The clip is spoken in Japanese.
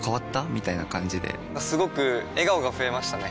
みたいな感じですごく笑顔が増えましたね！